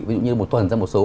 ví dụ như một tuần ra một số